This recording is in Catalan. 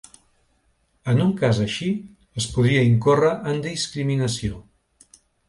En un cas així es podria incórrer en discriminació.